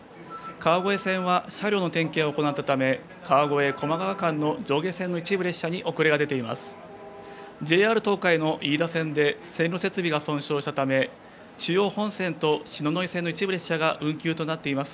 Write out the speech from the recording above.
川越線は車両の点検を行ったため、川越・駒川間の上下線の一部列車に遅れが出ています。